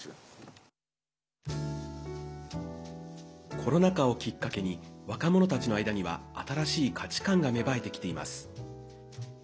コロナ禍をきっかけに若者たちの間には新しい価値観が芽生えてきています。